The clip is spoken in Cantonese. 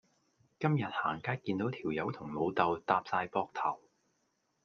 今日行街見到條友同老豆搭哂膊頭